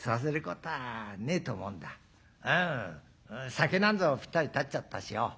酒なんぞぴったり断っちゃったしよ